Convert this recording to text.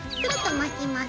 巻きます。